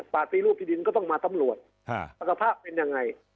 ปฏิรูปที่ดินก็ต้องมาสำรวจปัสภาพเป็นยังไง